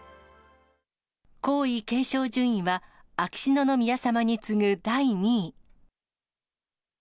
皇位継承順位は、秋篠宮さまに次ぐ第２位。